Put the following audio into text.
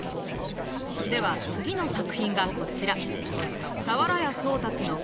では次の作品がこちら。